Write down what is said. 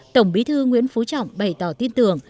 tổng bí thư nguyễn phú trọng bày tỏ tin tưởng